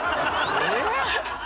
えっ？